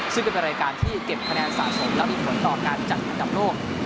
ซึ่งเป็นรายการที่เก็บคะแนนสะสมแล้วมีผลต่อการจัดอันดับโลก